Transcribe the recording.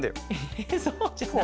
えそうじゃない。